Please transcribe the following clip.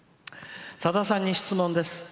「さださんに質問です。